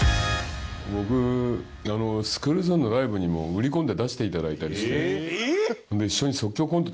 僕スクールゾーンのライブにも売り込んで出していただいたりして。